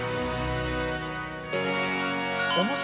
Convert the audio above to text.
重さ？